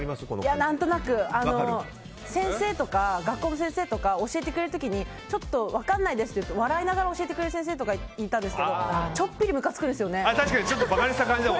何となく、学校の先生とか教えてくれる人にちょっと分からないですって言うと、笑いながら教えてくれた先生いたんですけどちょっとむかついたんですよね。